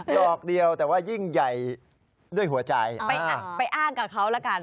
ดอกเดียวแต่ว่ายิ่งใหญ่ด้วยหัวใจไปอ้างกับเขาแล้วกัน